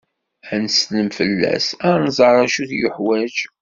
Ad nsellem fell-as, ad nẓer acu yuḥwaǧ.